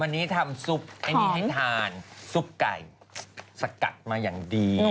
วันนี้ทำซุปอันนี้ให้ทานซุปไก่สกัดมาอย่างดี